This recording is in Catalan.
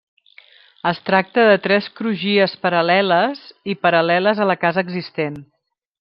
Es tracta de tres crugies paral·leles i paral·leles a la casa existent.